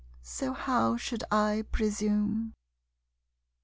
So how should I presume?